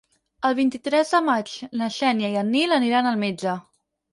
El vint-i-tres de maig na Xènia i en Nil aniran al metge.